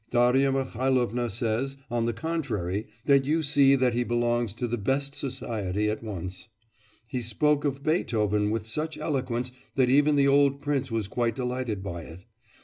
Darya Mihailovna says, on the contrary, that you see that he belongs to the best society at once. He spoke of Beethoven with such eloquence that even the old prince was quite delighted by it.